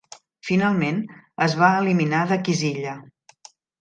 Finalment, es va eliminar de Quizilla.